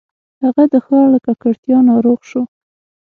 هغه د ښار له ککړتیا ناروغ شو.